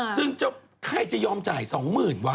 ซึ่งใครจะยอมจ่าย๒หมื่นวะ